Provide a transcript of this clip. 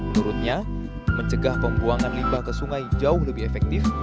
menurutnya mencegah pembuangan limbah ke sungai jauh lebih efektif